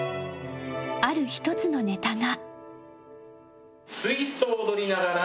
ある１つのネタが。